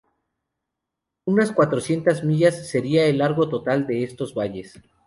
Unas cuatrocientas millas sería el largo total de estos valles.